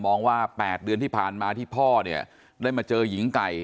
ว่า๘เดือนที่ผ่านมาที่พ่อเนี่ยได้มาเจอหญิงไก่